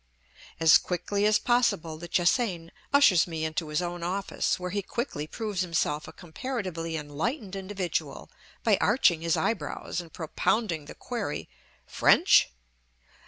As quickly as possible the Che hsein ushers me into his own office, where he quickly proves himself a comparatively enlightened individual by arching his eyebrows and propounding the query, "French?"